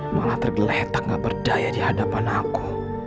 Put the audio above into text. malah tergeletak gak berdaya di hadapan aku